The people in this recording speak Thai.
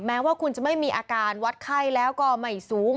แม้ว่าคุณจะไม่มีอาการวัดไข้แล้วก็ไม่สูง